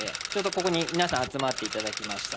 ここに皆さん集まっていただきました。